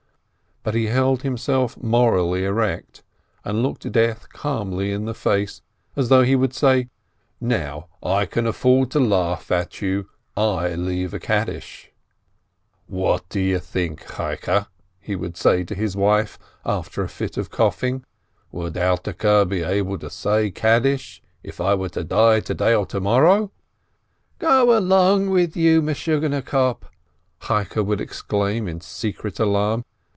But he held himself morally erect, and looked death calmly in the face, as though he would say, "Now I can afford to laugh at you — I leave a Kaddish !" "What do you think, Cheike," he would say to his wife, after a fit of coughing, "would Alterke be able to say Kaddish if I were to die to day or to morrow?" "Go along with you, crazy pate !" Cheike would exclaim in secret alarm.